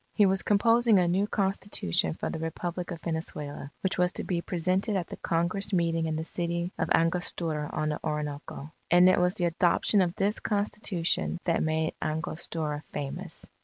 He was composing a new Constitution for the Republic of Venezuela, which was to be presented at the Congress meeting in the city of Angostura on the Orinoco. And it was the adoption of this Constitution, that made Angostura famous.